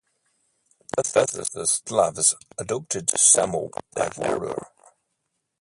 Thus the Slavs adopted Samo as their ruler.